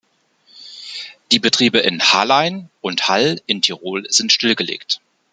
Die Betriebe in Hallein und Hall in Tirol sind stillgelegt.